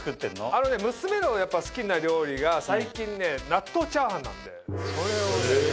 あのね娘の好きな料理が最近納豆チャーハンなんでそれをね